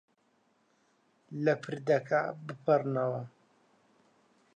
لە پردەکە بپەڕنەوە.